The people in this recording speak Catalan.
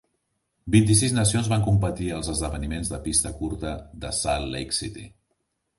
Vint-i-sis nacions van competir als esdeveniments de pista curta de Salt Lake City.